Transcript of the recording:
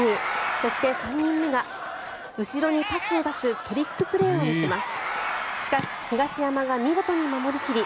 そして、３人目が後ろにパスを出すトリックプレーを見せます。